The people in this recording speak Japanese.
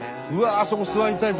あそこ座りたい！